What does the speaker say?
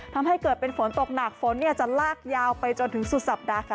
ทำให้เกิดเป็นฝนตกหนักฝนจะลากยาวไปจนถึงสุดสัปดาห์ค่ะ